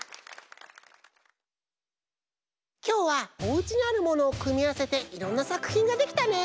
きょうはおうちにあるものをくみあわせていろんなさくひんができたね。